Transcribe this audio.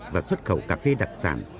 và xuất khẩu cà phê đặc sản